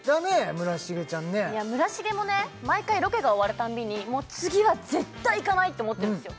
村重ちゃんねいや村重もね毎回ロケが終わるたんびにもう次は絶対行かないって思ってるんですよ